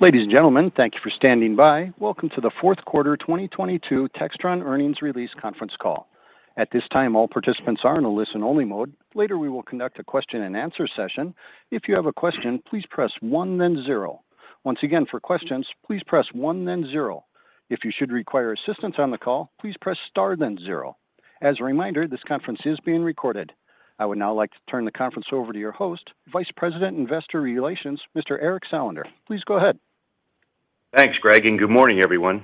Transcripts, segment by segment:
Ladies and gentlemen, thank you for standing by. Welcome to the Q4 2022 Textron earnings release conference call. At this time, all participants are in a listen-only mode. Later, we will conduct a question-and-answer session. If you have a question, please press one, then zero. Once again, for questions, please press one, then zero. If you should require assistance on the call, please press star then zero. As a reminder, this conference is being recorded. I would now like to turn the conference over to your host, Vice President, Investor Relations, Mr. Eric Salander. Please go ahead. Thanks, Greg. Good morning, everyone.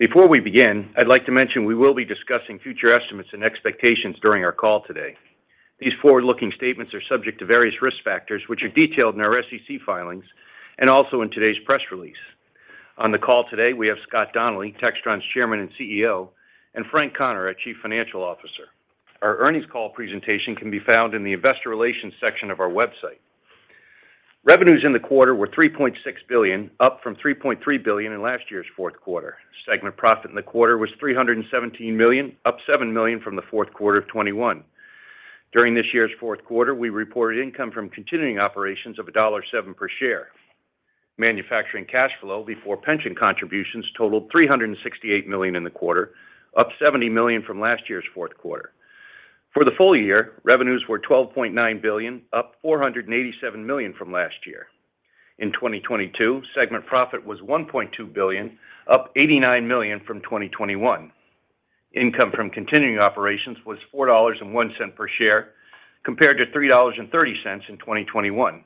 Before we begin, I'd like to mention we will be discussing future estimates and expectations during our call today. These forward-looking statements are subject to various risk factors, which are detailed in our SEC filings and also in today's press release. On the call today, we have Scott Donnelly, Textron's Chairman and CEO, and Frank Connor, our Chief Financial Officer. Our earnings call presentation can be found in the investor relations section of our website. Revenues in the quarter were $3.6 billion, up from $3.3 billion in last year's Q4. Segment profit in the quarter was $317 million, up $7 million from the Q4 of 2021. During this year's Q4, we reported income from continuing operations of $1.07 per share. Manufacturing cash flow before pension contributions totaled $368 million in the quarter, up $70 million from last year's Q4. For the full year, revenues were $12.9 billion, up $487 million from last year. In 2022, segment profit was $1.2 billion, up $89 million from 2021. Income from continuing operations was $4.01 per share compared to $3.30 in 2021.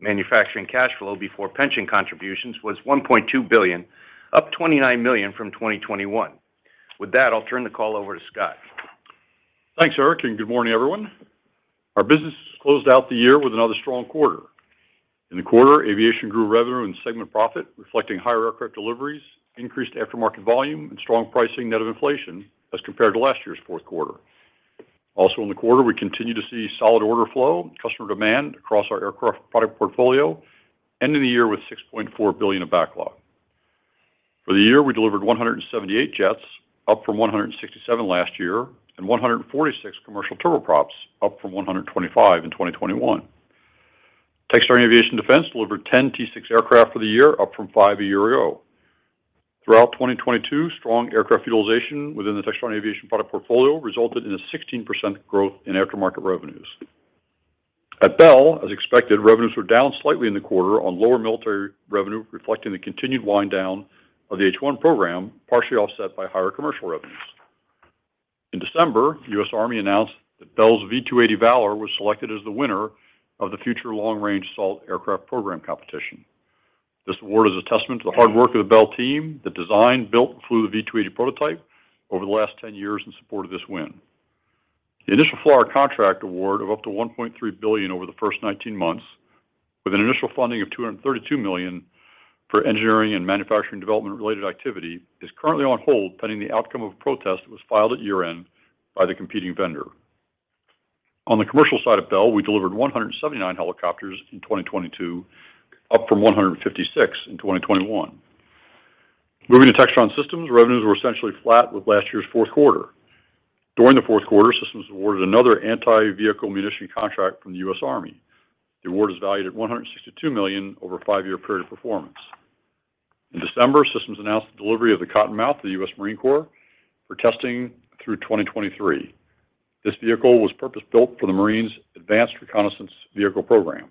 Manufacturing cash flow before pension contributions was $1.2 billion, up $29 million from 2021. I'll turn the call over to Scott. Thanks, Eric. Good morning, everyone. Our business closed out the year with another strong quarter. In the quarter, Aviation grew revenue and segment profit, reflecting higher aircraft deliveries, increased aftermarket volume, and strong pricing net of inflation as compared to last year's Q4. In the quarter, we continued to see solid order flow, customer demand across our aircraft product portfolio, ending the year with $6.4 billion of backlog. For the year, we delivered 178 jets, up from 167 last year, and 146 commercial turboprops, up from 125 in 2021. Textron Aviation Defense delivered 10 T-6 aircraft for the year, up from five a year ago. Throughout 2022, strong aircraft utilization within the Textron Aviation product portfolio resulted in a 16% growth in aftermarket revenues. At Bell, as expected, revenues were down slightly in the quarter on lower military revenue, reflecting the continued wind down of the H-1 program, partially offset by higher commercial revenues. In December, U.S. Army announced that Bell's V-280 Valor was selected as the winner of the Future Long-Range Assault Aircraft program competition. This award is a testament to the hard work of the Bell team that designed, built, and flew the V-280 prototype over the last 10 years in support of this win. The initial FAR contract award of up to $1.3 billion over the first 19 months, with an initial funding of $232 million for engineering and manufacturing development-related activity, is currently on hold pending the outcome of a protest that was filed at year-end by the competing vendor. On the commercial side of Bell, we delivered 179 helicopters in 2022, up from 156 in 2021. Moving to Textron Systems, revenues were essentially flat with last year's Q4. During the Q4, Systems was awarded another anti-vehicle munition contract from the U.S. Army. The award is valued at $162 million over a 5-year period of performance. In December, Systems announced the delivery of the Cottonmouth to the U.S. Marine Corps for testing through 2023. This vehicle was purpose-built for the Marine's Advanced Reconnaissance Vehicle program.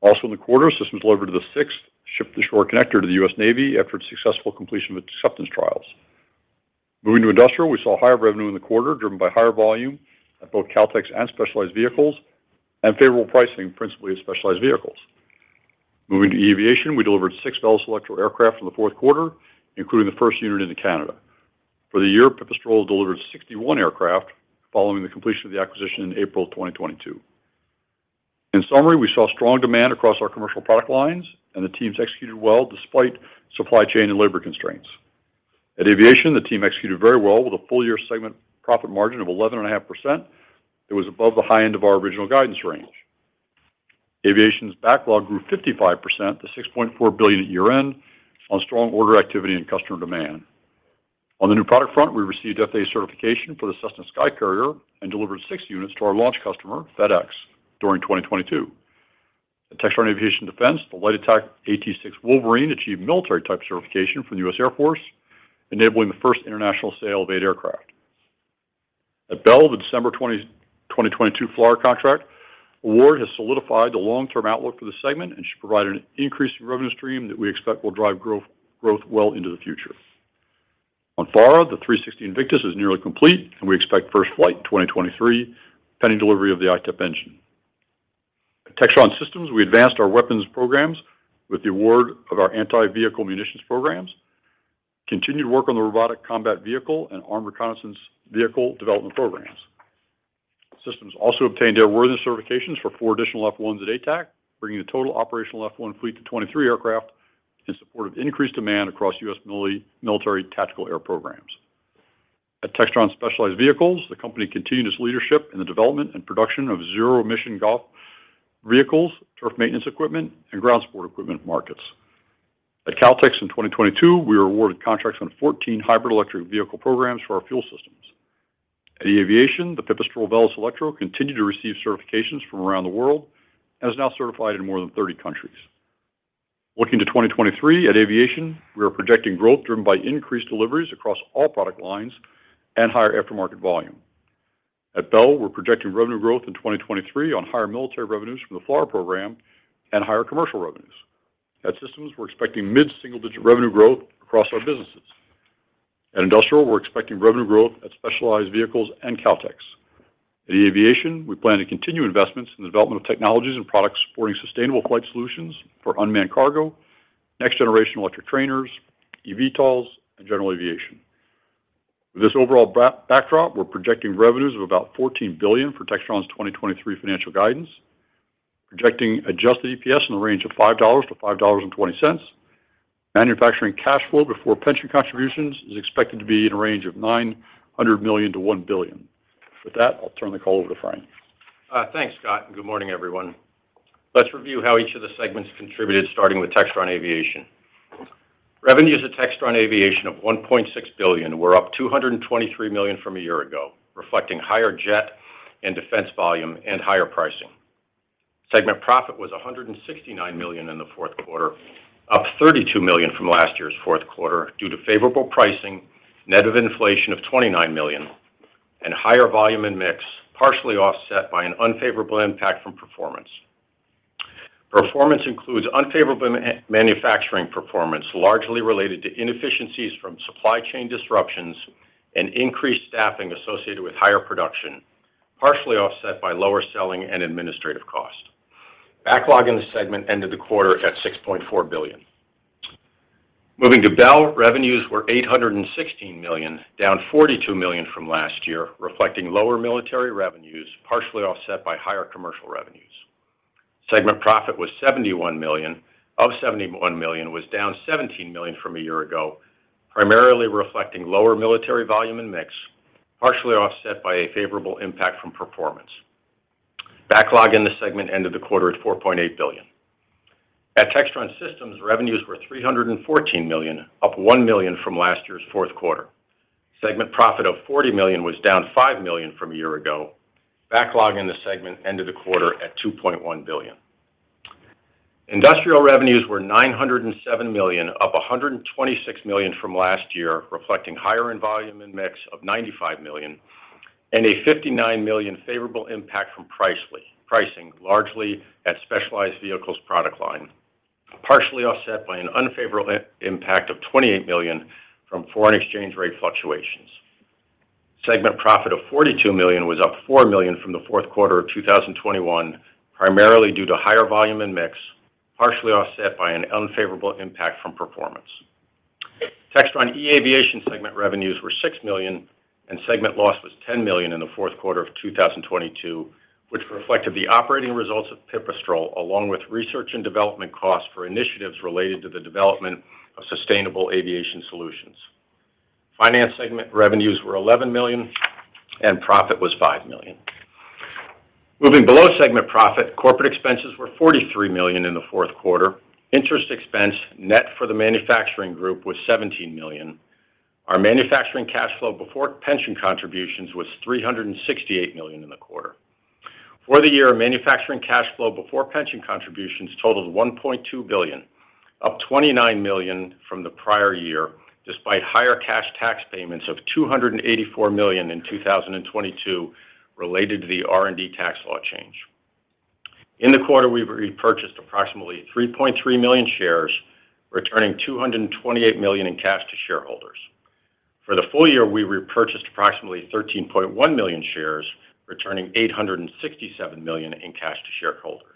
Also in the quarter, Systems delivered the 6th Ship-to-Shore Connector to the U.S. Navy after its successful completion of its acceptance trials. Moving to industrial, we saw higher revenue in the quarter, driven by higher volume at both Kautex and Specialized Vehicles and favorable pricing, principally of Specialized Vehicles. Moving to aviation, we delivered six Velis Electro aircraft in the Q4, including the first unit into Canada. For the year, Pipistrel delivered 61 aircraft following the completion of the acquisition in April 2022. In summary, we saw strong demand across our commercial product lines, and the teams executed well despite supply chain and labor constraints. At Aviation, the team executed very well with a full-year segment profit margin of 11.5%. It was above the high end of our original guidance range. Aviation's backlog grew 55% to $6.4 billion at year-end on strong order activity and customer demand. On the new product front, we received FAA certification for the Cessna SkyCourier and delivered six units to our launch customer, FedEx, during 2022. At Textron Aviation Defense, the light attack AT-6 Wolverine achieved military type certification from the U.S. Air Force, enabling the first international sale of eight aircraft. At Bell, the December 20th, 2022 FLRAA contract award has solidified the long-term outlook for the segment and should provide an increased revenue stream that we expect will drive growth well into the future. On FARA, the 360 Invictus is nearly complete, and we expect first flight in 2023, pending delivery of the ITEP engine. At Textron Systems, we advanced our weapons programs with the award of our anti-vehicle munitions programs, continued work on the Robotic Combat Vehicle and armed reconnaissance vehicle development programs. Systems also obtained airworthiness certifications for four additional F1s at ATAC, bringing the total operational F1 fleet to 23 aircraft in support of increased demand across U.S. military tactical air programs. At Textron Specialized Vehicles, the company continued its leadership in the development and production of zero-emission golf vehicles, turf maintenance equipment, and ground support equipment markets. At Kautex in 2022, we were awarded contracts on 14 hybrid electric vehicle programs for our fuel system. At Aviation, the Pipistrel Velis Electro continued to receive certifications from around the world and is now certified in more than 30 countries. Looking to 2023, at Aviation, we are projecting growth driven by increased deliveries across all product lines and higher aftermarket volume. At Bell, we're projecting revenue growth in 2023 on higher military revenues from the FLRAA program and higher commercial revenues. At Systems, we're expecting mid-single-digit revenue growth across our businesses. At Industrial, we're expecting revenue growth at Specialized Vehicles and Kautex. At eAviation, we plan to continue investments in the development of technologies and products supporting sustainable flight solutions for unmanned cargo, next-generation electric trainers, eVTOLs, and general aviation. With this overall back-backdrop, we're projecting revenues of about $14 billion for Textron's 2023 financial guidance, projecting adjusted EPS in the range of $5 to $5.20. Manufacturing cash flow before pension contributions is expected to be in a range of $900 million to $1 billion. With that, I'll turn the call over to Frank. Thanks, Scott, good morning, everyone. Let's review how each of the segments contributed, starting with Textron Aviation. Revenues at Textron Aviation of $1.6 billion were up $223 million from a year ago, reflecting higher jet and defense volume and higher pricing. Segment profit was $169 million in the Q4, up $32 million from last year's Q4 due to favorable pricing, net of inflation of $29 million and higher volume and mix, partially offset by an unfavorable impact from performance. Performance includes unfavorable manufacturing performance, largely related to inefficiencies from supply chain disruptions and increased staffing associated with higher production, partially offset by lower selling and administrative costs. Backlog in the segment ended the quarter at $6.4 billion. Moving to Bell, revenues were $816 million, down $42 million from last year, reflecting lower military revenues, partially offset by higher commercial revenues. Segment profit was $71 million. Of $71 million was down $17 million from a year ago, primarily reflecting lower military volume and mix, partially offset by a favorable impact from performance. Backlog in the segment ended the quarter at $4.8 billion. At Textron Systems, revenues were $314 million, up $1 million from last year's Q4. Segment profit of $40 million was down $5 million from a year ago. Backlog in the segment ended the quarter at $2.1 billion. Industrial revenues were $907 million, up $126 million from last year, reflecting higher end volume and mix of $95 million and a $59 million favorable impact from pricely-pricing, largely at Specialized Vehicles product line, partially offset by an unfavorable impact of $28 million from foreign exchange rate fluctuations. Segment profit of $42 million was up $4 million from the Q4 of 2021, primarily due to higher volume and mix, partially offset by an unfavorable impact from performance. Textron eAviation segment revenues were $6 million, and segment loss was $10 million in the Q4 of 2022, which reflected the operating results of Pipistrel, along with research and development costs for initiatives related to the development of sustainable aviation solutions. Finance segment revenues were $11 million, and profit was $5 million. Moving below segment profit, corporate expenses were $43 million in the Q4. Interest expense net for the manufacturing group was $17 million. Our manufacturing cash flow before pension contributions was $368 million in the quarter. For the year, manufacturing cash flow before pension contributions totaled $1.2 billion, up $29 million from the prior year, despite higher cash tax payments of $284 million in 2022 related to the R&D tax law change. In the quarter, we repurchased approximately 3.3 million shares, returning $228 million in cash to shareholders. For the full year, we repurchased approximately 13.1 million shares, returning $867 million in cash to shareholders.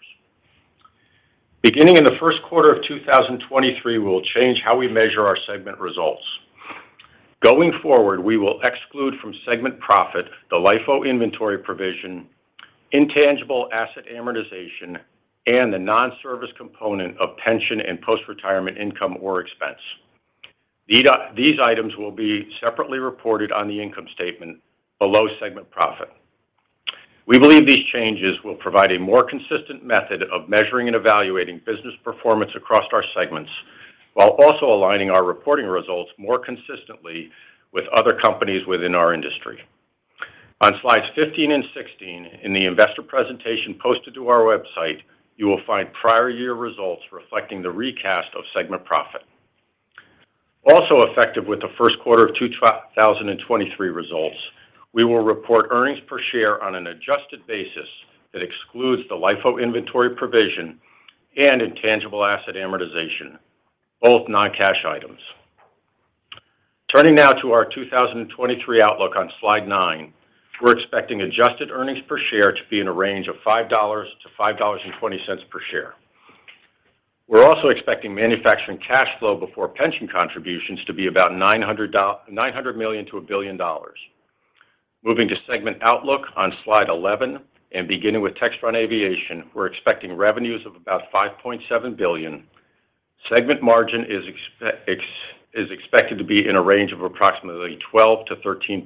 Beginning in the Q1 of 2023, we'll change how we measure our segment results. Going forward, we will exclude from segment profit the LIFO inventory provision, intangible asset amortization, and the non-service component of pension and post-retirement income or expense. These items will be separately reported on the income statement below segment profit. We believe these changes will provide a more consistent method of measuring and evaluating business performance across our segments while also aligning our reporting results more consistently with other companies within our industry. On slides 15 and 16 in the investor presentation posted to our website, you will find prior year results reflecting the recast of segment profit. Also effective with the Q1 of 2023 results, we will report earnings per share on an adjusted basis that excludes the LIFO inventory provision and intangible asset amortization, both non-cash items. Turning now to our 2023 outlook on slide 9, we're expecting adjusted earnings per share to be in a range of $5.00-$5.20 per share. We're also expecting manufacturing cash flow before pension contributions to be about $900 million-$1 billion. Moving to segment outlook on slide 11 and beginning with Textron Aviation, we're expecting revenues of about $5.7 billion. Segment margin is expected to be in a range of approximately 12%-13%.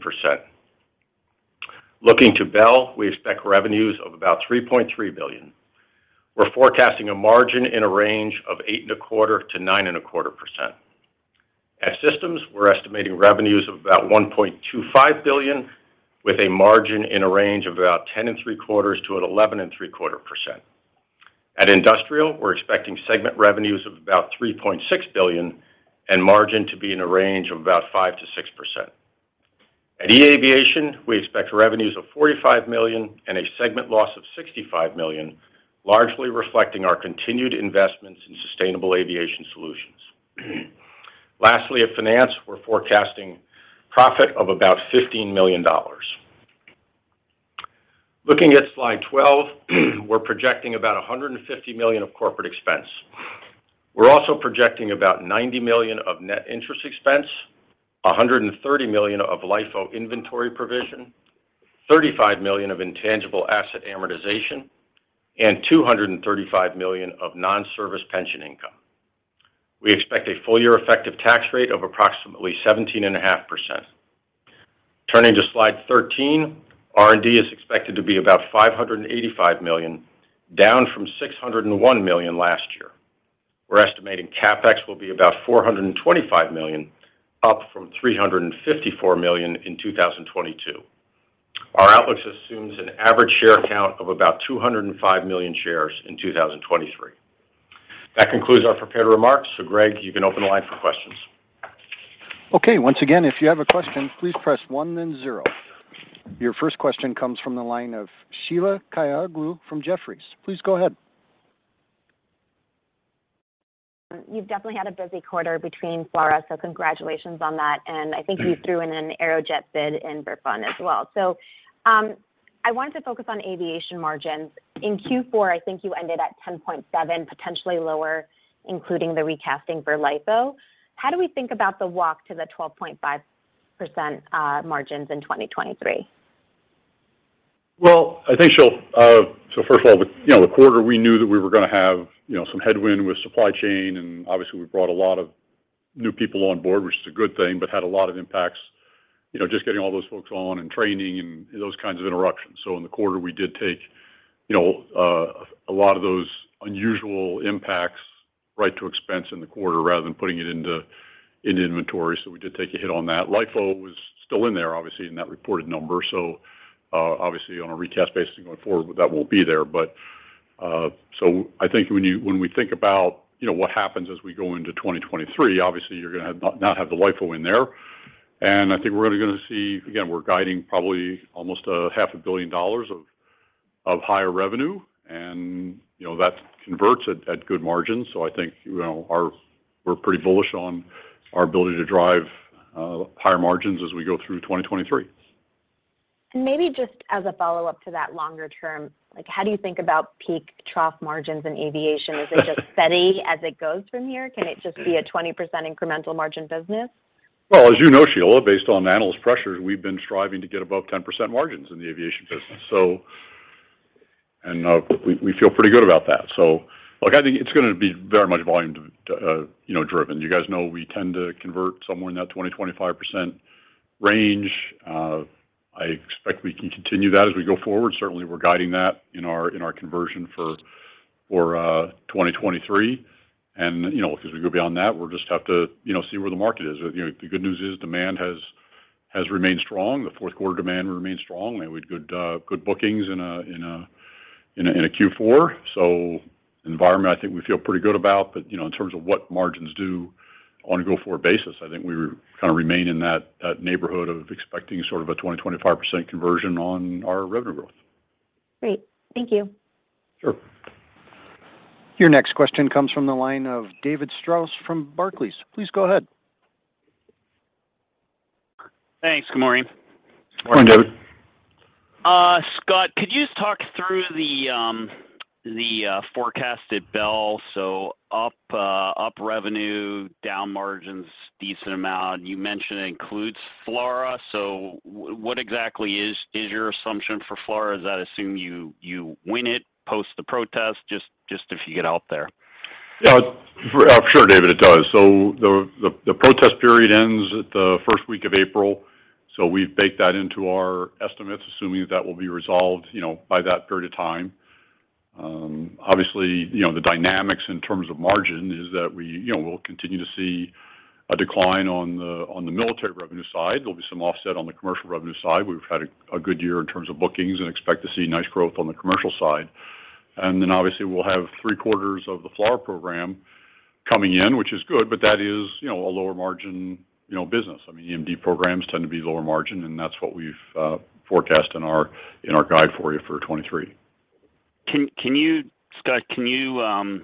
Looking to Bell, we expect revenues of about $3.3 billion. We're forecasting a margin in a range of 8.25%-9.25%. At Textron Systems, we're estimating revenues of about $1.25 billion, with a margin in a range of about 10.75%-11.75%. At Industrial, we're expecting segment revenues of about $3.6 billion and margin to be in a range of about 5%-6%. At Textron eAviation, we expect revenues of $45 million and a segment loss of $65 million, largely reflecting our continued investments in sustainable aviation solutions. Lastly, at Finance, we're forecasting profit of about $15 million. Looking at slide 12, we're projecting about $150 million of corporate expense. We're also projecting about $90 million of net interest expense, $130 million of LIFO inventory provision, $35 million of intangible asset amortization, and $235 million of non-service pension income. We expect a full year effective tax rate of approximately 17.5%. Turning to slide 13. R&D is expected to be about $585 million, down from $601 million last year. We're estimating CapEx will be about $425 million, up from $354 million in 2022. Our outlook assumes an average share count of about 205 million shares in 2023. That concludes our prepared remarks. Greg, you can open the line for questions. Okay. Once again, if you have a question, please press one then zero. Your first question comes from the line of Sheila Kahyaoglu from Jefferies. Please go ahead. You've definitely had a busy quarter between FLRAA, so congratulations on that. I think you threw in an Aerojet bid and Pipistrel as well. I wanted to focus on aviation margins. In Q4, I think you ended at 10.7%, potentially lower, including the recasting for LIFO. How do we think about the walk to the 12.5% margins in 2023? Well, I think she'll first of all, the, you know, the quarter we knew that we were gonna have, you know, some headwind with supply chain, and obviously, we brought a lot of new people on board, which is a good thing, but had a lot of impacts, you know, just getting all those folks on and training and those kinds of interruptions. In the quarter, we did take, you know, a lot of those unusual impacts right to expense in the quarter rather than putting it in inventory. We did take a hit on that. LIFO was still in there, obviously, in that reported number. Obviously, on a recast basis going forward, that won't be there. I think when we think about, you know, what happens as we go into 2023, obviously, you're gonna not have the LIFO in there. I think we're gonna see Again, we're guiding probably almost a half a billion dollars of higher revenue, and, you know, that converts at good margins. I think, you know, we're pretty bullish on our ability to drive higher margins as we go through 2023. Maybe just as a follow-up to that longer term, like, how do you think about peak trough margins in aviation? Is it just steady as it goes from here? Can it just be a 20% incremental margin business? As you know, Sheila, based on analyst pressures, we've been striving to get above 10% margins in the aviation business. And, we feel pretty good about that. Look, I think it's gonna be very much volume driven. You guys know, we tend to convert somewhere in that 20%-25% range. I expect we can continue that as we go forward. Certainly, we're guiding that in our conversion for 2023. You know, as we go beyond that, we'll just have to, you know, see where the market is. You know, the good news is, demand has remained strong. The Q4 demand remained strong. We had good bookings in a Q4. Environment, I think we feel pretty good about. You know, in terms of what margins do on a go-forward basis, I think we kinda remain in that neighborhood of expecting sort of a 20%, 25% conversion on our revenue growth. Great. Thank you. Sure. Your next question comes from the line of David Strauss from Barclays. Please go ahead. Thanks. Good morning. Good morning, David. Scott, could you just talk through the forecasted Bell? up revenue, down margins, decent amount. You mentioned it includes FLRA. What exactly is your assumption for FLRA? Does that assume you win it post the protest? Just if you get out there. Sure, David, it does. The protest period ends at the first week of April. We've baked that into our estimates, assuming that will be resolved, you know, by that period of time. Obviously, you know, the dynamics in terms of margin is that we, you know, we'll continue to see a decline on the military revenue side. There'll be some offset on the commercial revenue side. We've had a good year in terms of bookings and expect to see nice growth on the commercial side. Obviously, we'll have three-quarters of the FLRAA program coming in, which is good, but that is, you know, a lower margin, you know, business. I mean, EMD programs tend to be lower margin, and that's what we've forecast in our guide for you for 2023. Scott, can you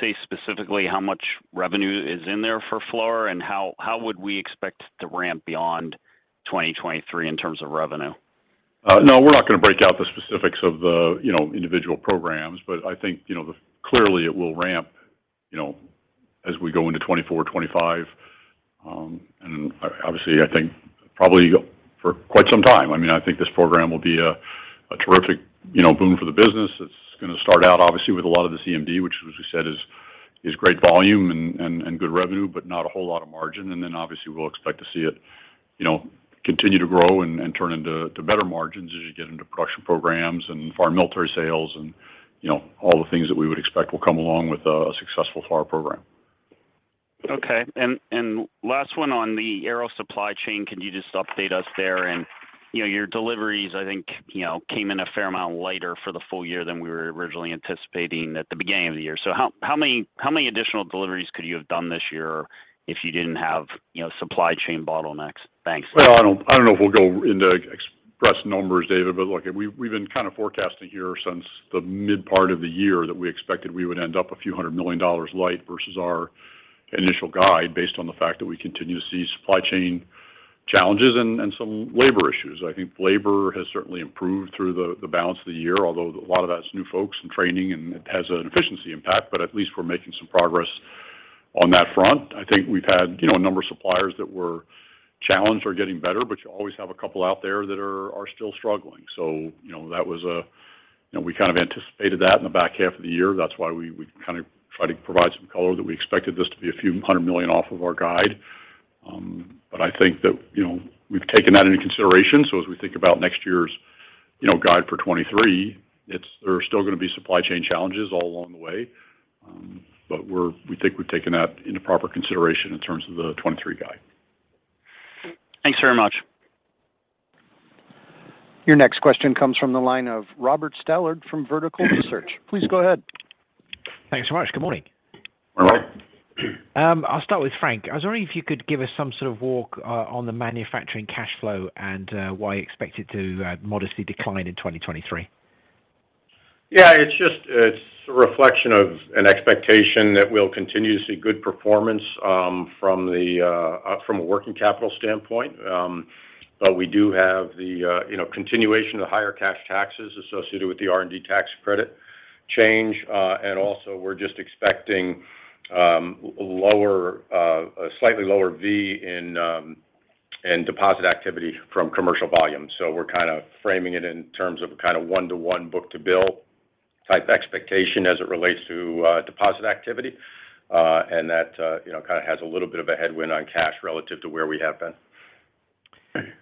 say specifically how much revenue is in there for FLRAA, and how would we expect to ramp beyond 2023 in terms of revenue? No, we're not gonna break out the specifics of the, you know, individual programs. I think, you know, clearly, it will ramp, you know, as we go into 24, 25. Obviously, I think probably for quite some time. I mean, I think this program will be a terrific, you know, boom for the business. It's gonna start out, obviously, with a lot of the CMD, which as we said is great volume and good revenue, but not a whole lot of margin. Obviously we'll expect to see it, you know, continue to grow and turn into better margins as you get into production programs and foreign military sales and, you know, all the things that we would expect will come along with a successful FARA program. Okay. Last one on the Aero supply chain, can you just update us there? You know, your deliveries, I think, you know, came in a fair amount later for the full year than we were originally anticipating at the beginning of the year. How many additional deliveries could you have done this year if you didn't have, you know, supply chain bottlenecks? Thanks. Well, I don't, I don't know if we'll go into express numbers, David, but look, we've been kind of forecasting here since the mid part of the year that we expected we would end up a few hundred million dollars light versus our initial guide, based on the fact that we continue to see supply chain challenges and some labor issues. I think labor has certainly improved through the balance of the year, although a lot of that's new folks and training, and it has an efficiency impact, but at least we're making some progress on that front. I think we've had, you know, a number of suppliers that were challenged are getting better, but you always have a couple out there that are still struggling. You know, that was a... You know, we kind of anticipated that in the back half of the year. That's why we kind of tried to provide some color that we expected this to be a few hundred million off of our guide. I think that, you know, we've taken that into consideration, so as we think about next year's, you know, guide for 2023, there are still gonna be supply chain challenges all along the way, we think we've taken that into proper consideration in terms of the 2023 guide. Thanks very much. Your next question comes from the line of Robert Stallard from Vertical Research. Please go ahead. Thanks so much. Good morning. Hi, Robert. I'll start with Frank. I was wondering if you could give us some sort of walk on the manufacturing cash flow and why you expect it to modestly decline in 2023? Yeah. It's just, it's a reflection of an expectation that we'll continue to see good performance from a working capital standpoint. We do have the, you know, continuation of higher cash taxes associated with the R&D tax credit change. Also we're just expecting lower a slightly lower V in deposit activity from commercial volume. We're kind of framing it in terms of kind of 1-to-1 book-to-bill type expectation as it relates to deposit activity. That, you know, kind of has a little bit of a headwind on cash relative to where we have been.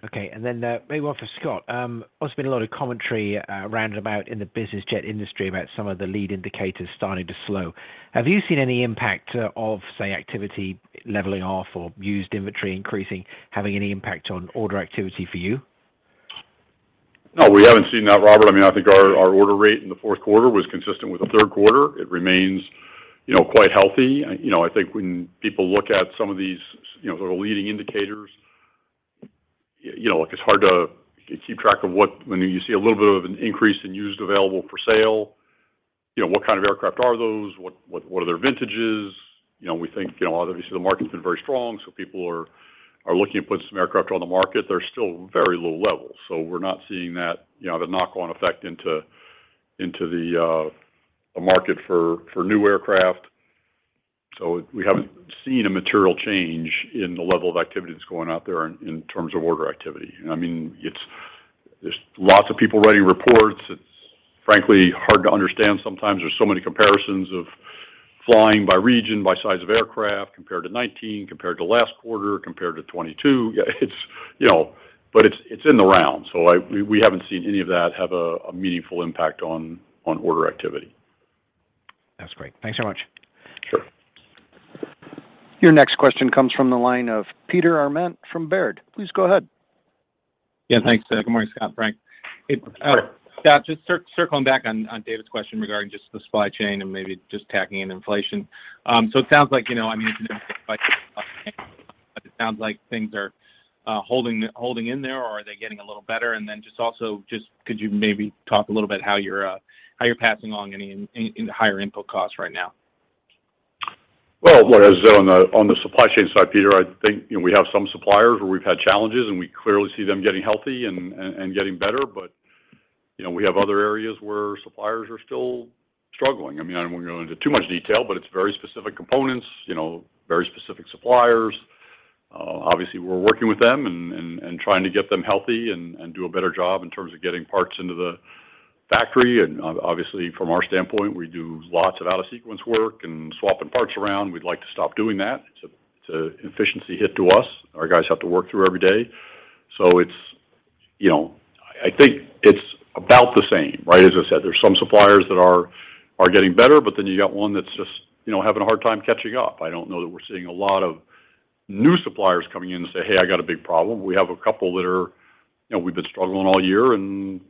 Okay. Maybe one for Scott. There's been a lot of commentary roundabout in the business jet industry about some of the lead indicators starting to slow. Have you seen any impact of, say, activity leveling off or used inventory increasing, having any impact on order activity for you? No, we haven't seen that, Robert. I mean, I think our order rate in the Q4 was consistent with the Q3. It remains, you know, quite healthy. You know, I think when people look at some of these, you know, sort of leading indicators, you know, like it's hard to keep track of what. When you see a little bit of an increase in used available for sale, you know, what kind of aircraft are those? What are their vintages? You know, we think, you know, obviously the market's been very strong, so people are looking to put some aircraft on the market. They're still very low level, so we're not seeing that, you know, the knock-on effect into the market for new aircraft. We haven't seen a material change in the level of activity that's going out there in terms of order activity. I mean, there's lots of people writing reports. It's frankly hard to understand sometimes. There's so many comparisons of flying by region, by size of aircraft, compared to 2019, compared to last quarter, compared to 2022. It's you know. It's in the round, so we haven't seen any of that have a meaningful impact on order activity. That's great. Thanks so much. Sure. Your next question comes from the line of Peter Arment from Baird. Please go ahead. Yeah, thanks. Good morning, Scott and Frank. Sure. Scott, just circling back on David's question regarding the supply chain and maybe tacking in inflation. It sounds like, you know, I mean but it sounds like things are holding in there, or are they getting a little better? Then just also could you maybe talk a little bit how you're passing on any higher input costs right now? As on the supply chain side, Peter, I think, you know, we have some suppliers where we've had challenges, and we clearly see them getting healthy and, and getting better. You know, we have other areas where suppliers are still struggling. I mean, I don't wanna go into too much detail, but it's very specific components, you know, very specific suppliers. Obviously we're working with them and, and trying to get them healthy and do a better job in terms of getting parts into the factory. Obviously from our standpoint, we do lots of out of sequence work and swapping parts around. We'd like to stop doing that. It's a efficiency hit to us. Our guys have to work through every day. It's, you know, I think it's about the same, right? As I said, there's some suppliers that are getting better. Then you got one that's just, you know, having a hard time catching up. I don't know that we're seeing a lot of new suppliers coming in to say, "Hey, I got a big problem." We have a couple that are, you know, we've been struggling all year, and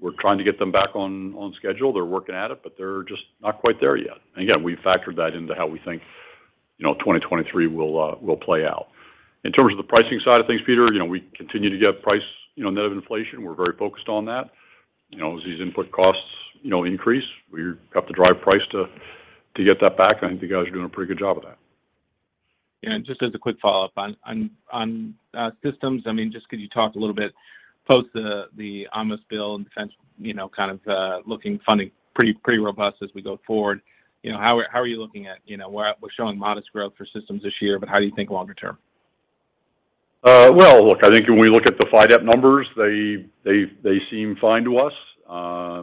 we're trying to get them back on schedule. They're working at it, but they're just not quite there yet. Again, we've factored that into how we think, you know, 2023 will play out. In terms of the pricing side of things, Peter, you know, we continue to get price, you know, net of inflation. We're very focused on that. You know, as these input costs, you know, increase, we have to drive price to get that back. I think the guys are doing a pretty good job of that. Just as a quick follow-up on Textron Systems, I mean, just could you talk a little bit both the armed reconnaissance vehicle and defense, you know, kind of looking funding pretty robust as we go forward. You know, how are you looking at, you know, we're showing modest growth for Textron Systems this year, but how do you think longer term? Well, look, I think when we look at the FYDP numbers, they, they seem fine to us.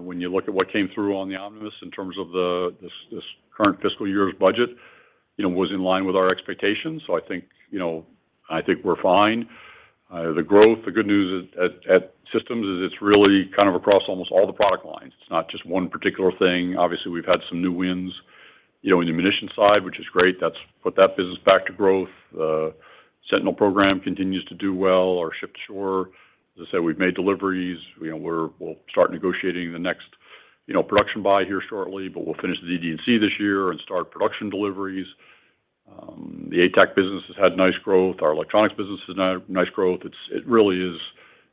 When you look at what came through on the omnibus in terms of the, this current fiscal year's budget, you know, was in line with our expectations. I think, you know, I think we're fine. The growth, the good news at, at Textron Systems is it's really kind of across almost all the product lines. It's not just one particular thing. Obviously, we've had some new wins, you know, in the munition side, which is great. That's put that business back to growth. The Sentinel program continues to do well. Our Ship-to-Shore, as I said, we've made deliveries. You know, we'll start negotiating the next, you know, production buy here shortly, but we'll finish the DD&C this year and start production deliveries. The ATAC business has had nice growth. Our electronics business has had nice growth. It really is,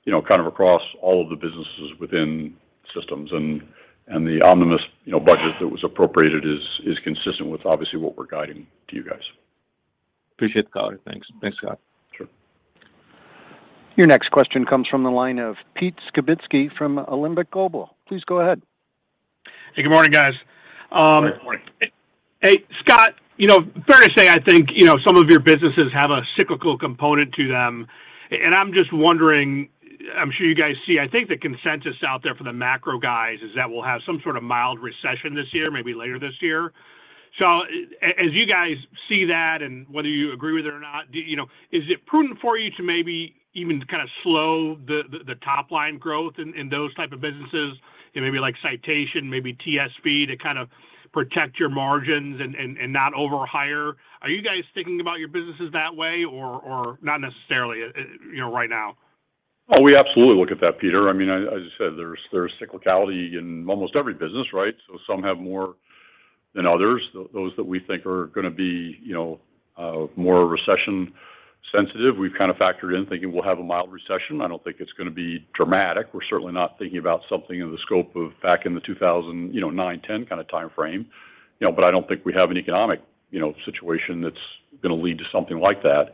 you know, kind of across all of the businesses within Textron Systems, and the omnibus, you know, budget that was appropriated is consistent with obviously what we're guiding to you guys. Appreciate the color. Thanks. Thanks, Scott. Sure. Your next question comes from the line of Pete Skibitski from Alembic Global. Please go ahead. Hey, good morning, guys. Good morning. Hey, Scott, you know, fair to say, I think, you know, some of your businesses have a cyclical component to them. I'm just wondering, I'm sure you guys see, I think the consensus out there for the macro guys is that we'll have some sort of mild recession this year, maybe later this year. As you guys see that, and whether you agree with it or not, do you know, is it prudent for you to maybe even kind of slow the top line growth in those type of businesses? You know, maybe like Citation, maybe TSB, to kind of protect your margins and not overhire. Are you guys thinking about your businesses that way or not necessarily, you know, right now? Oh, we absolutely look at that, Peter. I mean, as I said, there's cyclicality in almost every business, right? Some have more than others. Those that we think are gonna be, you know, more recession sensitive, we've kind of factored in thinking we'll have a mild recession. I don't think it's gonna be dramatic. We're certainly not thinking about something in the scope of back in the 2009, 2010 kind of timeframe. I don't think we have an economic, you know, situation that's gonna lead to something like that.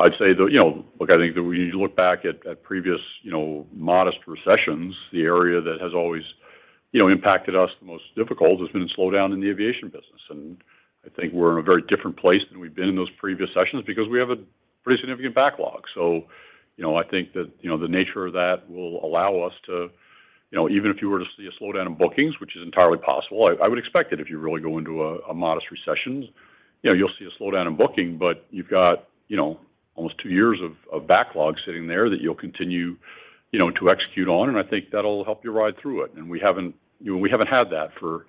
I'd say that, you know, look, I think that when you look back at previous, you know, modest recessions, the area that has always, you know, impacted us the most difficult has been a slowdown in the aviation business. I think we're in a very different place than we've been in those previous sessions because we have a pretty significant backlog. You know, I think that, you know, the nature of that will allow us to, you know, even if you were to see a slowdown in bookings, which is entirely possible. I would expect it if you really go into a modest recession. You know, you'll see a slowdown in booking, but you've got, you know, almost 2 years of backlog sitting there that you'll continue, you know, to execute on, and I think that'll help you ride through it. We haven't, you know, we haven't had that for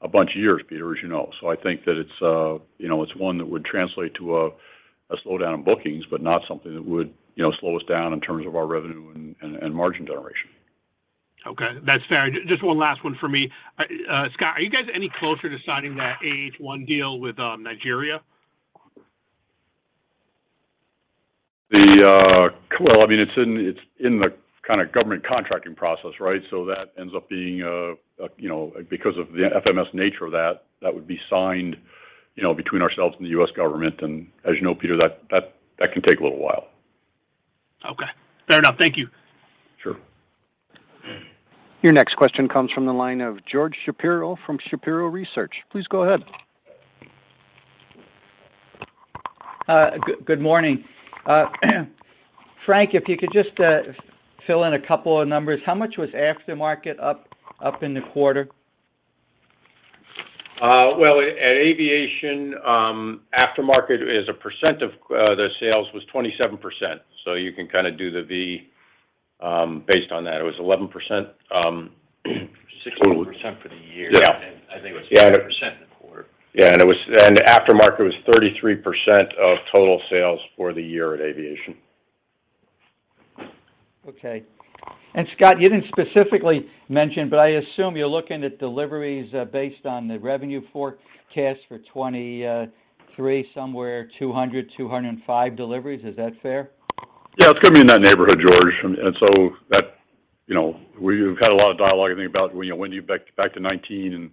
a bunch of years, Peter, as you know. I think that it's, you know, it's one that would translate to a slowdown in bookings, but not something that would, you know, slow us down in terms of our revenue and, and margin generation. Okay. That's fair. Just one last one for me. Scott, are you guys any closer to signing that AH-1 deal with Nigeria? The, well, I mean, it's in the kind of government contracting process, right? That ends up being, you know, because of the FMS nature of that would be signed, you know, between ourselves and the U.S. government. As you know, Peter, that can take a little while. Okay. Fair enough. Thank you. Sure. Your next question comes from the line of George Shapiro from Shapiro Research. Please go ahead. Good morning. Frank, if you could just fill in a couple of numbers. How much was aftermarket up in the quarter? At Aviation, aftermarket as a % of, the sales was 27%, so you can kinda do the V, based on that. It was 11%. 16% for the year. Yeah. I think it was. Yeah... 10% in the quarter. Yeah, and aftermarket was 33% of total sales for the year at Aviation. Okay. Scott, you didn't specifically mention, but I assume you're looking at deliveries, based on the revenue forecast for 2023, somewhere 200-205 deliveries. Is that fair? Yeah, it's gonna be in that neighborhood, George. That, you know, we've had a lot of dialogue, I think, about when you back to 2019, and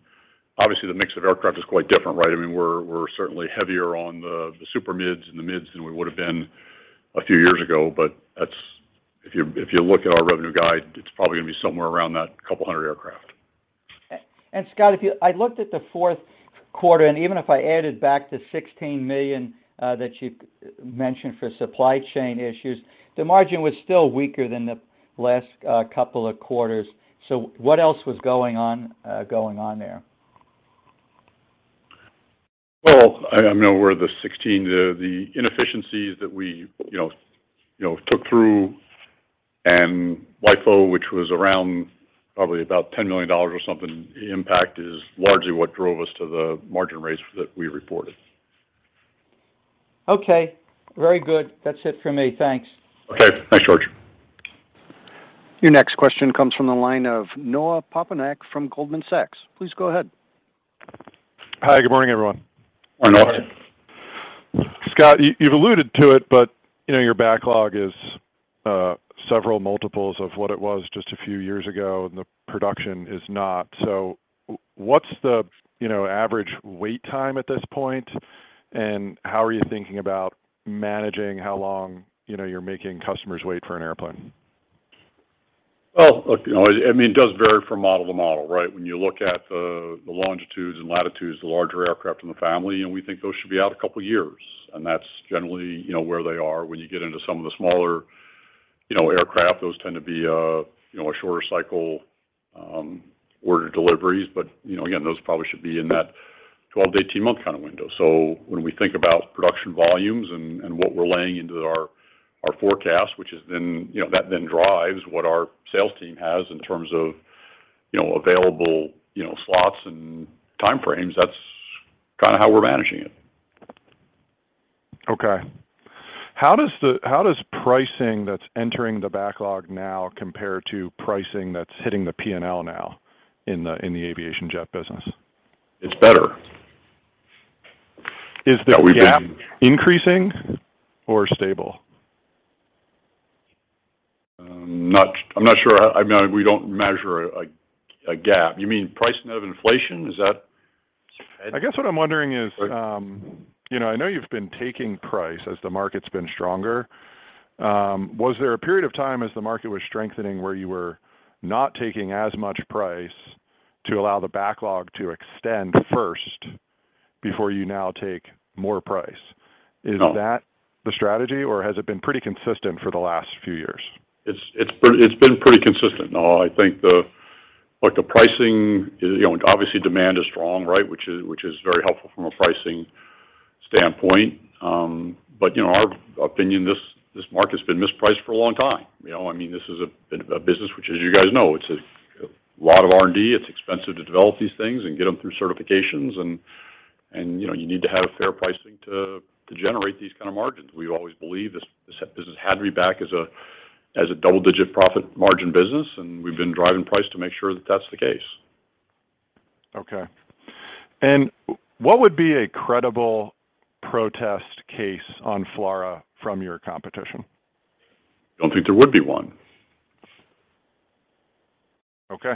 obviously the mix of aircraft is quite different, right? I mean, we're certainly heavier on the super mids and the mids than we would have been a few years ago. That's, if you look at our revenue guide, it's probably gonna be somewhere around that 200 aircraft. Scott, if I looked at the Q4, and even if I added back the $16 million that you mentioned for supply chain issues, the margin was still weaker than the last couple of quarters. What else was going on there? Well, I know we're the 16, the inefficiencies that we, you know, took through and YFO, which was around probably about $10 million or something impact is largely what drove us to the margin rates that we reported. Okay. Very good. That's it for me. Thanks. Okay. Thanks, George. Your next question comes from the line of Noah Poponak from Goldman Sachs. Please go ahead. Hi, good morning, everyone. Good morning. Good morning. Scott, you've alluded to it, but, you know, your backlog is several multiples of what it was just a few years ago, and the production is not. What's the, you know, average wait time at this point? How are you thinking about managing how long, you know, you're making customers wait for an airplane? Look, you know, I mean, it does vary from model to model, right? When you look at the Longitudes and Latitudes, the larger aircraft in the family, we think those should be out a couple of years. That's generally, you know, where they are. When you get into some of the smaller, you know, aircraft, those tend to be a, you know, a shorter cycle, order deliveries. You know, again, those probably should be in that 12-18 month kind of window. When we think about production volumes and what we're laying into our forecast, which is, you know, that drives what our sales team has in terms of, you know, available, you know, slots and time frames. That's kind of how we're managing it. Okay. How does pricing that's entering the backlog now compare to pricing that's hitting the P&L now in the aviation jet business? It's better. Is the gap increasing or stable? I'm not sure. I know we don't measure a gap. You mean price net of inflation? Is that? I guess what I'm wondering is, you know, I know you've been taking price as the market's been stronger. Was there a period of time as the market was strengthening where you were not taking as much price to allow the backlog to extend first before you now take more price? No. Is that the strategy, or has it been pretty consistent for the last few years? It's been pretty consistent. Look, the pricing is, you know, obviously demand is strong, right, which is very helpful from a pricing standpoint. You know, our opinion, this market's been mispriced for a long time. You know, I mean, this is a business which, as you guys know, it's a lot of R&D. It's expensive to develop these things and get them through certifications, and, you know, you need to have fair pricing to generate these kind of margins. We've always believed this business had to be back as a double-digit profit margin business, and we've been driving price to make sure that that's the case. Okay. What would be a credible protest case on FLRAA from your competition? Don't think there would be one. Okay.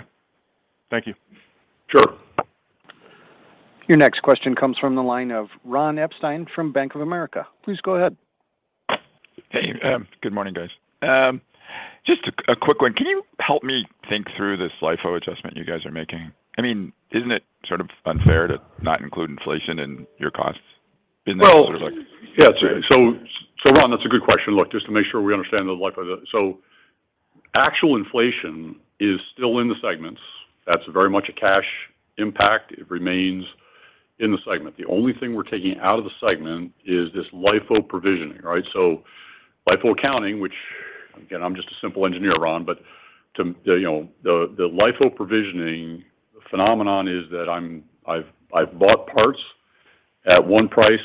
Thank you. Sure. Your next question comes from the line of Ron Epstein from Bank of America. Please go ahead. Hey. Good morning, guys. Just a quick one. Can you help me think through this LIFO adjustment you guys are making? I mean, isn't it sort of unfair to not include inflation in your costs? Isn't that sort of like- Well, yeah. Ron, that's a good question. Look, just to make sure we understand the LIFO. Actual inflation is still in the segments. That's very much a cash impact. It remains in the segment. The only thing we're taking out of the segment is this LIFO provisioning, right? LIFO accounting, which, again, I'm just a simple engineer, Ron, but to, you know, the LIFO provisioning phenomenon is that I've bought parts at one price,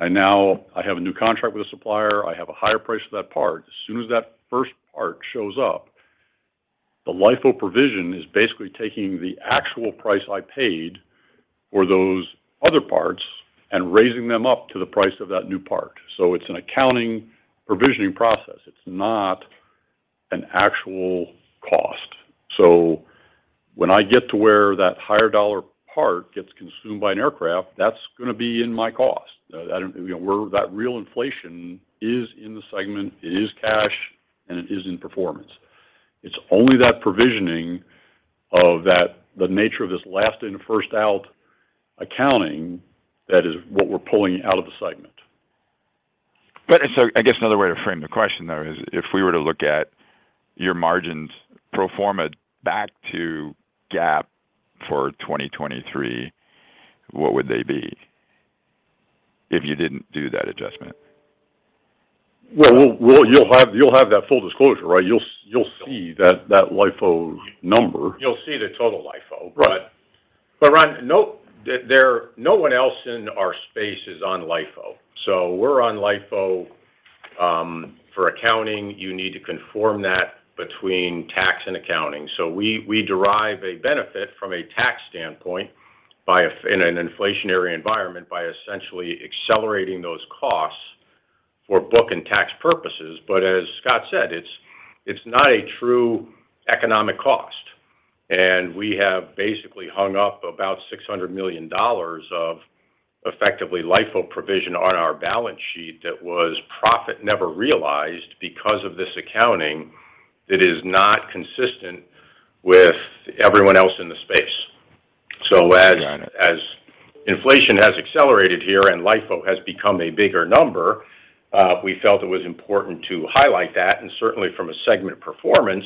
and now I have a new contract with a supplier. I have a higher price for that part. As soon as that first part shows up, the LIFO provision is basically taking the actual price I paid for those other parts and raising them up to the price of that new part. It's an accounting provisioning process. It's not an actual cost. When I get to where that higher dollar part gets consumed by an aircraft, that's gonna be in my cost. You know, where that real inflation is in the segment, it is cash, and it is in performance. It's only that provisioning of that, the nature of this Last In, First Out accounting that is what we're pulling out of the segment. I guess another way to frame the question, though, is if we were to look at your margins pro forma'd back to GAAP for 2023, what would they be if you didn't do that adjustment? Well, you'll have that full disclosure, right? You'll see that LIFO number. You'll see the total LIFO. Right. Ron, no one else in our space is on LIFO. We're on LIFO for accounting. You need to conform that between tax and accounting. We, we derive a benefit from a tax standpoint in an inflationary environment by essentially accelerating those costs for book and tax purposes. As Scott said, it's not a true economic cost. We have basically hung up about $600 million of effectively LIFO provision on our balance sheet that was profit never realized because of this accounting that is not consistent with everyone else in the space. Got it. As inflation has accelerated here and LIFO has become a bigger number, we felt it was important to highlight that and certainly from a segment performance,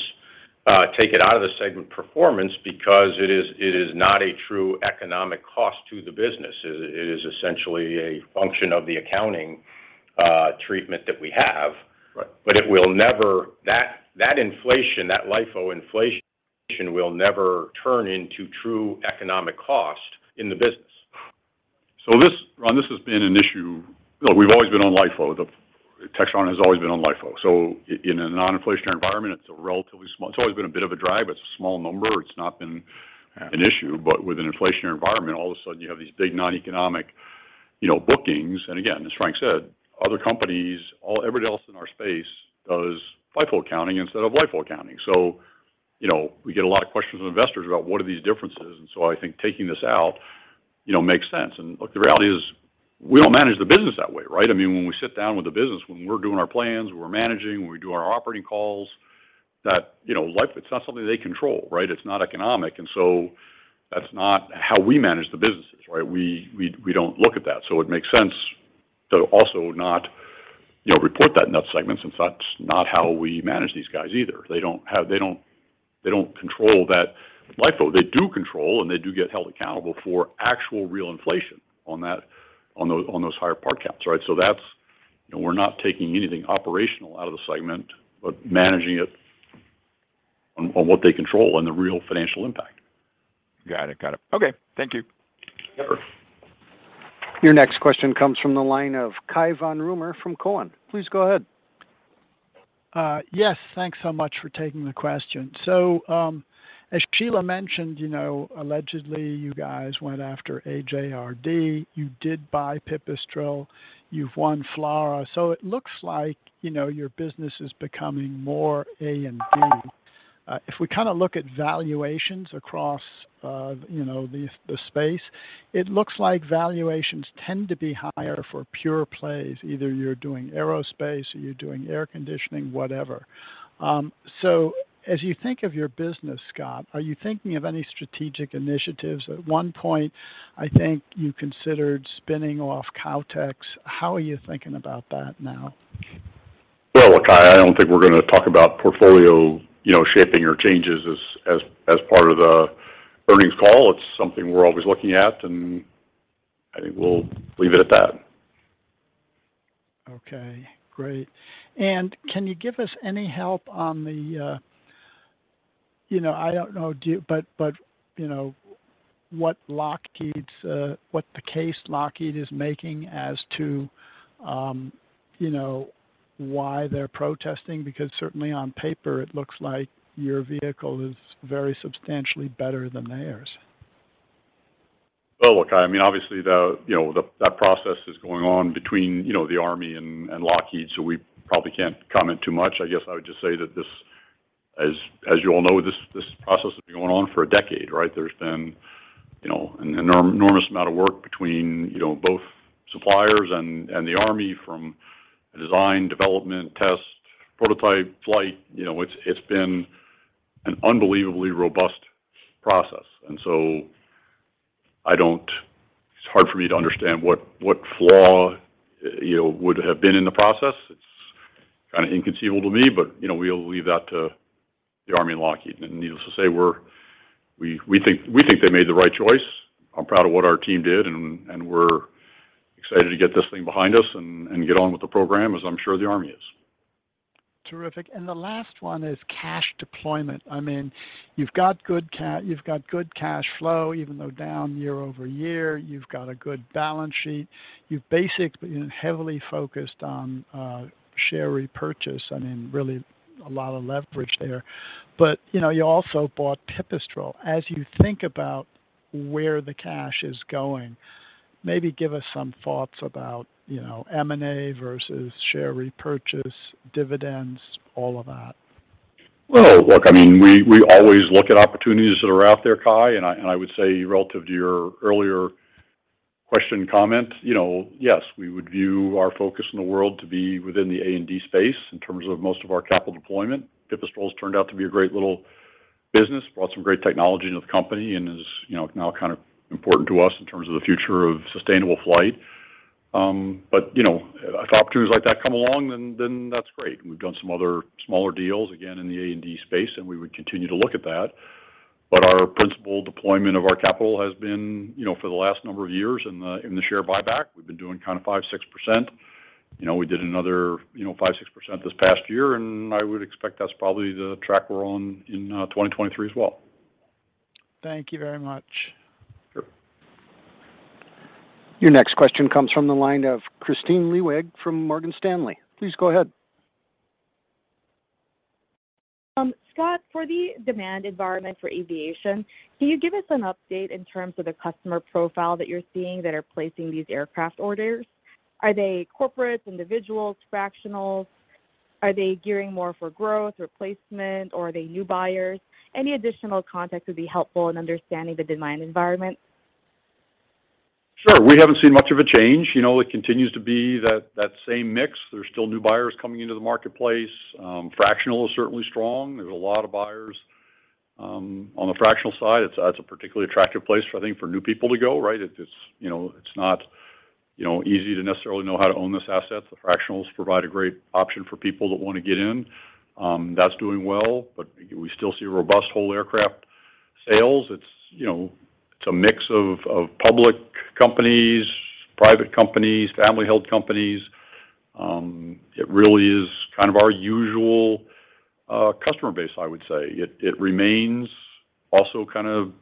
take it out of the segment performance because it is not a true economic cost to the business. It is essentially a function of the accounting treatment that we have. Right. That inflation, that LIFO inflation will never turn into true economic cost in the business. Ron, this has been an issue. We've always been on LIFO. Textron has always been on LIFO. In a non-inflationary environment, it's always been a bit of a drive. It's a small number. It's not been an issue, but with an inflationary environment, all of a sudden, you have these big noneconomic, you know, bookings. Again, as Frank said, other companies, everybody else in our space does FIFO accounting instead of LIFO accounting. You know, we get a lot of questions from investors about what are these differences. I think taking this out. You know, makes sense. Look, the reality is we don't manage the business that way, right? I mean, when we sit down with the business, when we're doing our plans, when we're managing, when we do our operating calls that, you know, life, it's not something they control, right? It's not economic. That's not how we manage the businesses, right? We don't look at that. It makes sense to also not, you know, report that in that segment since that's not how we manage these guys either. They don't control that LIFO. They do control, and they do get held accountable for actual real inflation on those, on those higher part caps, right? That's. You know, we're not taking anything operational out of the segment, but managing it on what they control and the real financial impact. Got it. Got it. Okay. Thank you. Sure. Your next question comes from the line of Cai von Rumohr from Cowen. Please go ahead. Yes, thanks so much for taking the question. As Sheila mentioned, you know, allegedly, you guys went after AJRD. You did buy Pipistrel. You've won FLRAA. It looks like, you know, your business is becoming more A&D. If we kinda look at valuations across, you know, the space, it looks like valuations tend to be higher for pure plays. Either you're doing aerospace or you're doing air conditioning, whatever. As you think of your business, Scott, are you thinking of any strategic initiatives? At one point, I think you considered spinning off Kautex. How are you thinking about that now? Well, look, Cai, I don't think we're gonna talk about portfolio, you know, shaping or changes as part of the earnings call. It's something we're always looking at, I think we'll leave it at that. Okay. Great. Can you give us any help on the, you know, I don't know, do... But, you know, what Lockheed's, what the case Lockheed is making as to, you know, why they're protesting? Certainly on paper it looks like your vehicle is very substantially better than theirs. Well, look, I mean, obviously, the, you know, the, that process is going on between, you know, the Army and Lockheed, so we probably can't comment too much. I guess I would just say that this is, as you all know, this process has been going on for a decade, right? There's been, you know, an enormous amount of work between, you know, both suppliers and the Army from design, development, test, prototype, flight. You know, it's been an unbelievably robust process, and so I don't. It's hard for me to understand what flaw, you know, would have been in the process. It's kind of inconceivable to me, but, you know, we'll leave that to the Army and Lockheed. Needless to say, we think they made the right choice. I'm proud of what our team did, and we're excited to get this thing behind us and get on with the program, as I'm sure the Army is. Terrific. The last one is cash deployment. I mean, you've got good cash flow, even though down year-over-year. You've got a good balance sheet. You've basically been heavily focused on share repurchase. I mean, really a lot of leverage there. You know, you also bought Pipistrel. As you think about where the cash is going, maybe give us some thoughts about, you know, M&A versus share repurchase, dividends, all of that. Well, look, I mean, we always look at opportunities that are out there, Cai, and I would say relative to your earlier question, comment, you know, yes, we would view our focus in the world to be within the A&D space in terms of most of our capital deployment. Pipistrel's turned out to be a great little business, brought some great technology into the company and is, you know, now kind of important to us in terms of the future of sustainable flight. You know, if opportunities like that come along, then that's great. We've done some other smaller deals, again, in the A&D space. We would continue to look at that. Our principal deployment of our capital has been, you know, for the last number of years in the share buyback. We've been doing kind of 5%, 6%. You know, we did another, you know, 5%, 6% this past year, and I would expect that's probably the track we're on in 2023 as well. Thank you very much. Sure. Your next question comes from the line of Kristine Liwag from Morgan Stanley. Please go ahead. Scott, for the demand environment for aviation, can you give us an update in terms of the customer profile that you're seeing that are placing these aircraft orders? Are they corporates, individuals, fractionals? Are they gearing more for growth, replacement, or are they new buyers? Any additional context would be helpful in understanding the demand environment. Sure. We haven't seen much of a change. You know, it continues to be that same mix. There's still new buyers coming into the marketplace. fractional is certainly strong. There's a lot of buyers on the fractional side. It's a particularly attractive place, I think, for new people to go, right? It's, you know, it's not, you know, easy to necessarily know how to own this asset. The fractionals provide a great option for people that wanna get in. that's doing well, but we still see robust whole aircraft sales. It's, you know, a mix of public companies, private companies, family-held companies. it really is kind of our usual customer base, I would say. It remains also kind of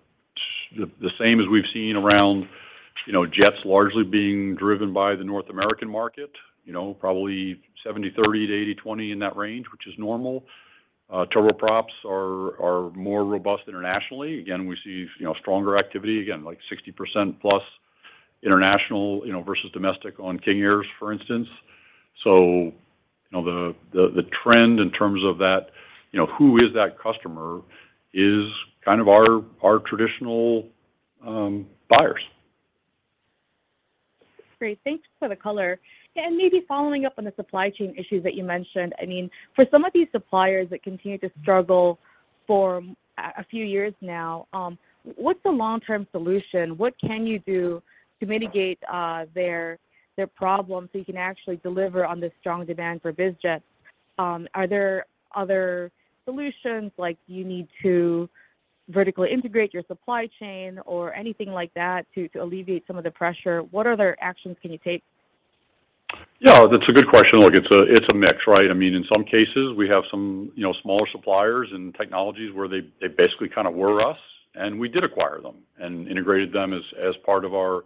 the same as we've seen around, you know, jets largely being driven by the North American market. You know, probably 70-30 to 80-20 in that range, which is normal. Turboprops are more robust internationally. Again, we see, you know, stronger activity, again, like 60% plus international, you know, versus domestic on King Air, for instance. You know, the, the trend in terms of that, you know, who is that customer is kind of our traditional, buyers. Great. Thanks for the color. Maybe following up on the supply chain issues that you mentioned, I mean, for some of these suppliers that continue to struggle for a few years now, what's the long-term solution? What can you do to mitigate their problems so you can actually deliver on the strong demand for biz jets? Are there other solutions like you need to vertically integrate your supply chain or anything like that to alleviate some of the pressure? What other actions can you take? That's a good question. Look, it's a mix, right? I mean, in some cases we have some, you know, smaller suppliers and technologies where they basically kind of were us, and we did acquire them and integrated them as part of our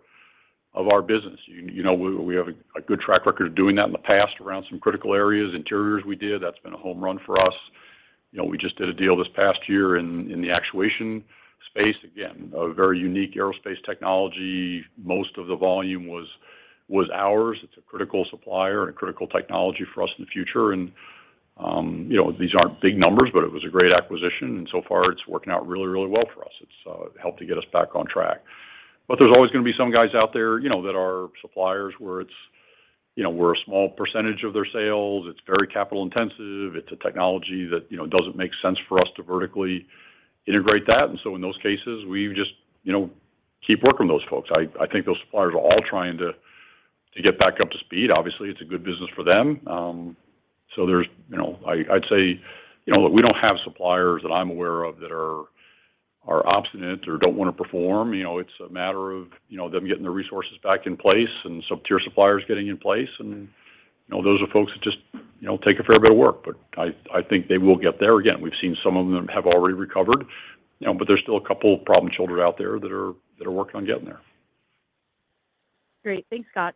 business. You know, we have a good track record of doing that in the past around some critical areas. Interiors, we did. That's been a home run for us. You know, we just did a deal this past year in the actuation space. Again, a very unique aerospace technology. Most of the volume was ours. It's a critical supplier and a critical technology for us in the future. You know, these aren't big numbers, but it was a great acquisition, and so far it's working out really, really well for us. It's helped to get us back on track. There's always gonna be some guys out there, you know, that are suppliers where it's, you know, we're a small percentage of their sales. It's very capital intensive. It's a technology that, you know, doesn't make sense for us to vertically integrate that. In those cases, we just, you know, keep working with those folks. I think those suppliers are all trying to get back up to speed. Obviously, it's a good business for them. You know, I'd say, you know, look, we don't have suppliers that I'm aware of that are obstinate or don't wanna perform. You know, it's a matter of, you know, them getting the resources back in place and sub-tier suppliers getting in place and, you know, those are folks that just, you know, take a fair bit of work, but I think they will get there. Again, we've seen some of them have already recovered, you know, but there's still a couple problem children out there that are working on getting there. Great. Thanks, Scott.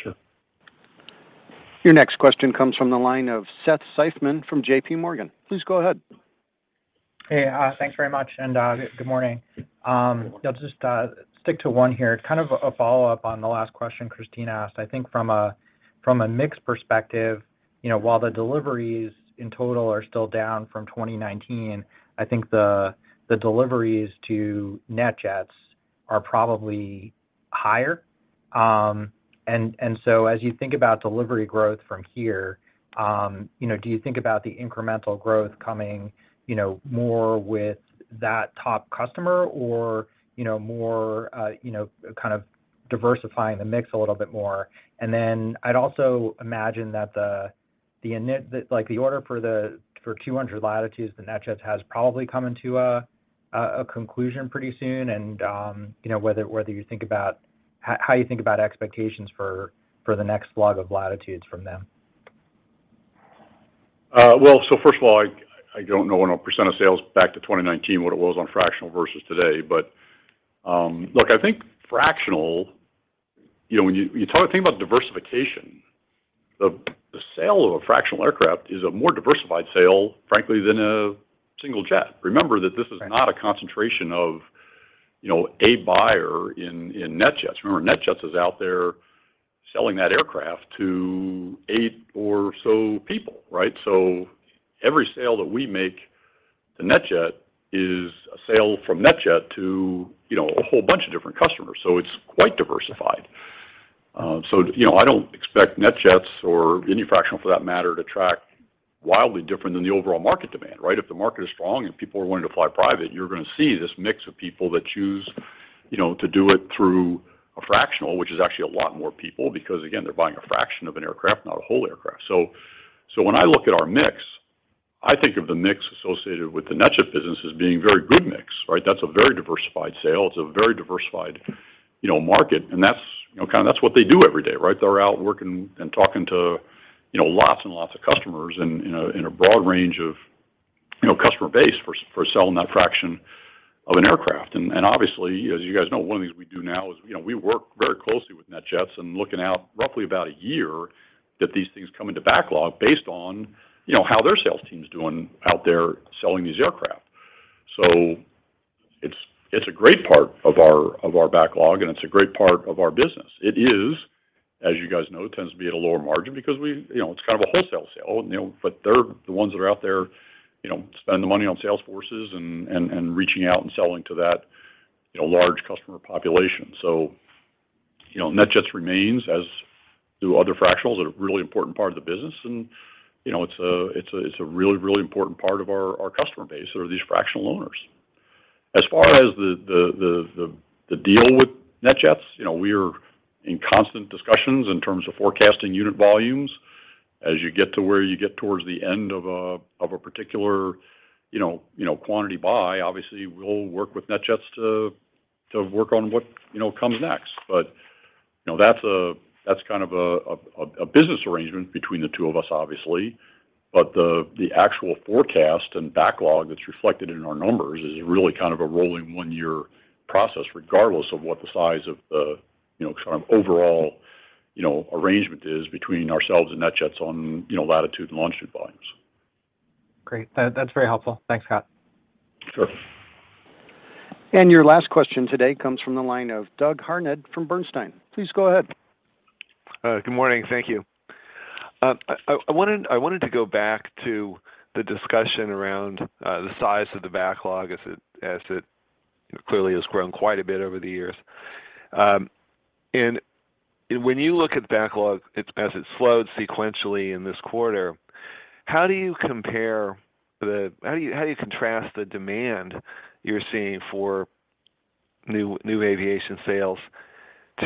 Sure. Your next question comes from the line of Seth Seifman from JPMorgan. Please go ahead. Hey, thanks very much, and good morning. I'll just stick to one here. Kind of a follow-up on the last question Kristine asked. I think from a mix perspective, you know, while the deliveries in total are still down from 2019, I think the deliveries to NetJets are probably higher. So as you think about delivery growth from here, you know, do you think about the incremental growth coming, you know, more with that top customer or, you know, more, you know, kind of diversifying the mix a little bit more? Then I'd also imagine that the, that like the order for the, for 200 Latitudes that NetJets has probably coming to a conclusion pretty soon. you know, whether you think about how you think about expectations for the next slug of Latitudes from them. First of all, I don't know in a % of sales back to 2019 what it was on fractional versus today. I think fractional, you know, when you think about diversification, the sale of a fractional aircraft is a more diversified sale, frankly, than a single jet. Remember that this is not a concentration of, you know, a buyer in NetJets. Remember, NetJets is out there selling that aircraft to 8 or so people, right? Every sale that we make to NetJets is a sale from NetJets to, you know, a whole bunch of different customers. It's quite diversified. You know, I don't expect NetJets or any fractional for that matter to track wildly different than the overall market demand, right? If the market is strong and people are wanting to fly private, you're gonna see this mix of people that choose, you know, to do it through a fractional, which is actually a lot more people because, again, they're buying a fraction of an aircraft, not a whole aircraft. When I look at our mix, I think of the mix associated with the NetJets business as being very good mix, right? That's a very diversified sale. It's a very diversified, you know, market, and that's, you know, kinda that's what they do every day, right? They're out working and talking to, you know, lots and lots of customers in a, in a broad range of, you know, customer base for selling that fraction of an aircraft. Obviously, as you guys know, one of the things we do now is, you know, we work very closely with NetJets and looking out roughly about a year that these things come into backlog based on, you know, how their sales team's doing out there selling these aircraft. It's a great part of our, of our backlog, and it's a great part of our business. It is, as you guys know, tends to be at a lower margin because you know, it's kind of a wholesale sale, you know. They're the ones that are out there, you know, spend the money on sales forces and reaching out and selling to that, you know, large customer population. You know, NetJets remains, as do other fractionals, a really important part of the business and, you know, it's a really, really important part of our customer base are these fractional owners. As far as the deal with NetJets, you know, we are in constant discussions in terms of forecasting unit volumes. As you get to where you get towards the end of a particular, you know, quantity buy, obviously we'll work with NetJets to work on what, you know, comes next. You know, that's kind of a business arrangement between the two of us, obviously. The actual forecast and backlog that's reflected in our numbers is really kind of a rolling one-year process, regardless of what the size of the, you know, sort of overall, you know, arrangement is between ourselves and NetJets on, you know, Latitude and Longitude volumes. Great. That's very helpful. Thanks, Scott. Sure. Your last question today comes from the line of Doug Harned from Bernstein. Please go ahead. Good morning. Thank you. I wanted to go back to the discussion around the size of the backlog as it, as it clearly has grown quite a bit over the years. When you look at the backlog, as it slowed sequentially in this quarter, how do you contrast the demand you're seeing for new aviation sales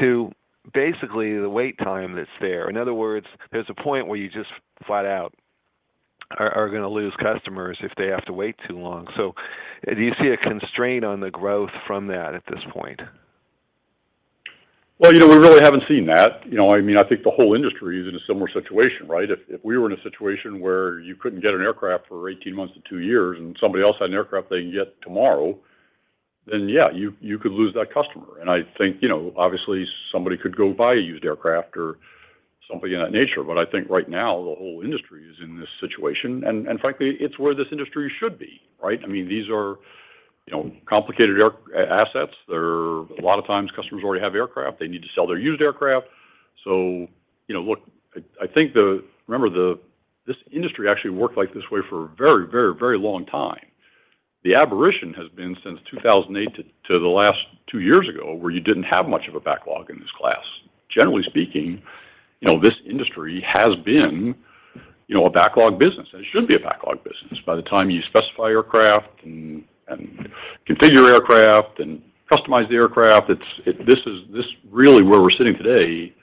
to basically the wait time that's there? In other words, there's a point where you just flat out are gonna lose customers if they have to wait too long. Do you see a constraint on the growth from that at this point? Well, you know, we really haven't seen that. You know, I mean, I think the whole industry is in a similar situation, right? If we were in a situation where you couldn't get an aircraft for 18 months to two years, and somebody else had an aircraft they can get tomorrow, then yeah, you could lose that customer. I think, you know, obviously, somebody could go buy a used aircraft or something of that nature. I think right now the whole industry is in this situation, and frankly, it's where this industry should be, right? I mean, these are, you know, complicated air assets. They're. A lot of times customers already have aircraft. They need to sell their used aircraft. You know, look, I think Remember this industry actually worked like this way for a very, very, very long time. The aberration has been since 2008 to the last two years ago, where you didn't have much of a backlog in this class. Generally speaking, you know, this industry has been, you know, a backlog business, and it should be a backlog business. By the time you specify aircraft and configure aircraft and customize the aircraft, this is really where we're sitting today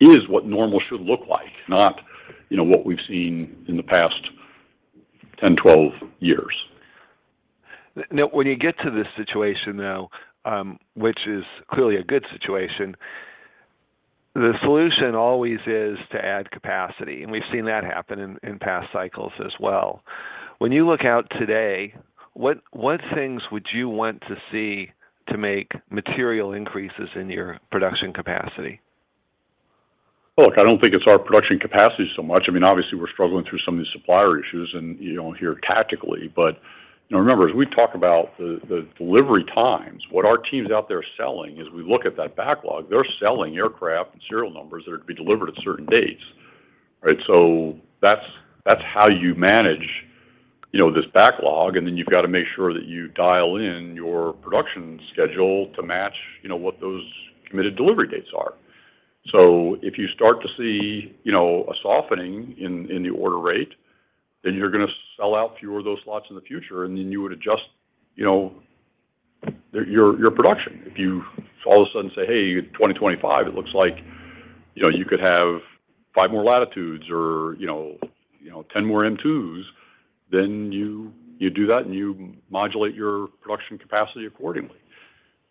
is what normal should look like, not, you know, what we've seen in the past 10, 12 years. When you get to this situation though, which is clearly a good situation, the solution always is to add capacity. We've seen that happen in past cycles as well. When you look out today, what things would you want to see to make material increases in your production capacity? Look, I don't think it's our production capacity so much. I mean, obviously we're struggling through some of these supplier issues and, you know, here tactically. You know, remember, as we talk about the delivery times, what our team's out there selling is we look at that backlog. They're selling aircraft and serial numbers that are to be delivered at certain dates, right? That's, that's how you manage, you know, this backlog, and then you've got to make sure that you dial in your production schedule to match, you know, what those committed delivery dates are. If you start to see, you know, a softening in the order rate, then you're gonna sell out fewer of those slots in the future, and then you would adjust, you know, your production. If you all of a sudden say, "Hey, 2025, it looks like, you know, you could have five more Latitudes or, you know, 10 more M2s," then you do that, and you modulate your production capacity accordingly.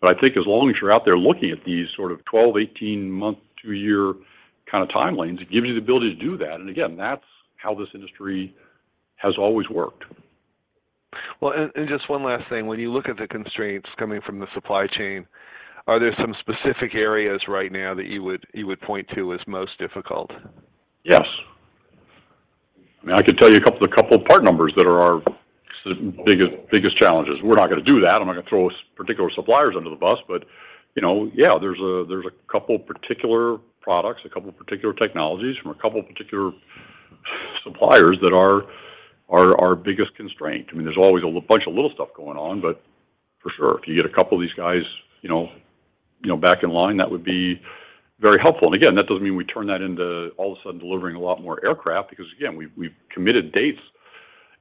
I think as long as you're out there looking at these sort of 12, 18-month, two year kind of timelines, it gives you the ability to do that. Again, that's how this industry has always worked. Just one last thing. When you look at the constraints coming from the supply chain, are there some specific areas right now that you would, you would point to as most difficult? Yes. I mean, I could tell you a couple part numbers that are our biggest challenges. We're not gonna do that. I'm not gonna throw particular suppliers under the bus. You know, yeah, there's a couple particular products, a couple particular technologies from a couple particular suppliers that are our biggest constraint. I mean, there's always a bunch of little stuff going on, but for sure if you get a couple of these guys, you know, back in line that would be very helpful. Again, that doesn't mean we turn that into all of a sudden delivering a lot more aircraft because again we've committed dates,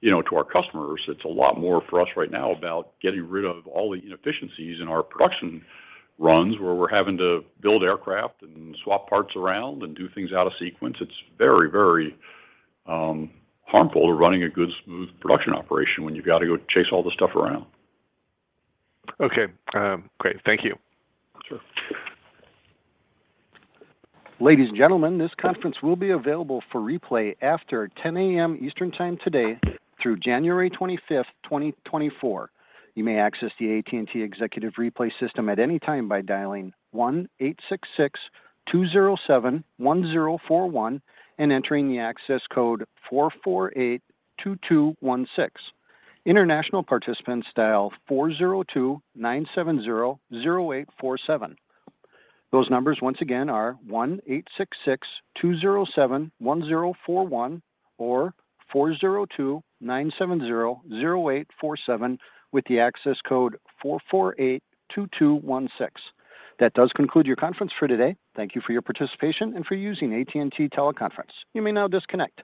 you know, to our customers. It's a lot more for us right now about getting rid of all the inefficiencies in our production runs where we're having to build aircraft and swap parts around and do things out of sequence. It's very, very harmful to running a good smooth production operation when you've got to go chase all this stuff around. Okay. Great. Thank you. Sure. Ladies and gentlemen, this conference will be available for replay after 10:00 A.M. Eastern time today through January 25th, 2024. You may access the AT&T Executive Replay system at any time by dialing 1-866-207-1041 and entering the access code 4482216. International participants dial 402-970-0847. Those numbers once again are 1-866-207-1041 or 402-970-0847 with the access code 4482216. That does conclude your conference for today. Thank you for your participation and for using AT&T Teleconference. You may now disconnect.